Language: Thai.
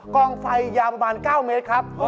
กองไฟยาวประมาณ๙เมตรครับ